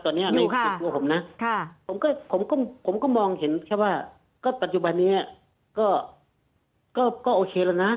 ตอนนี้ในส่วนตัวผมนะผมก็มองเห็นแค่ว่าก็ปัจจุบันนี้ก็โอเคแล้วนะ